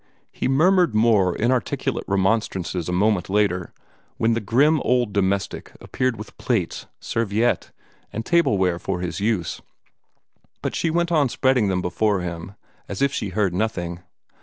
He murmured more inarticulate remonstrances a moment later, when the grim old domestic appeared with plates, serviette, and tableware for his use, but she went on spreading them before him as if she heard nothing.